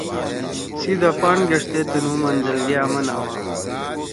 سیِدا پان گیݜتے تنُو منزل گے آمن آوا۔